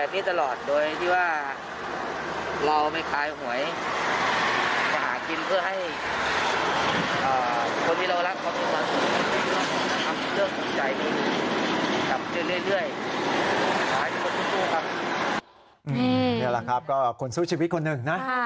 นี่แหละครับก็คนสู้ชีวิตคนหนึ่งนะ